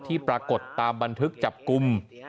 ปรากฏตามบันทึกจับกลุ่ม